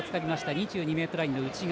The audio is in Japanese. ２２ｍラインの内側。